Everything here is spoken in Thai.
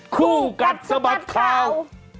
คู่กัดสะบัดข่าว